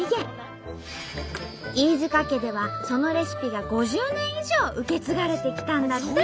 飯塚家ではそのレシピが５０年以上受け継がれてきたんだって。